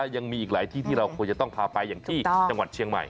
ยังมีอีกหลายที่ที่เราควรจะต้องพาไปอย่างที่จังหวัดเชียงใหม่